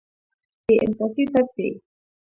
بې انصافي بد دی.